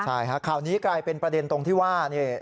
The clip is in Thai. ใช่ฮะข่าวนี้กลายเป็นประเด็นตรงที่ว่านี่